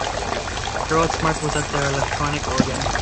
Harold Smart was at the electronic organ.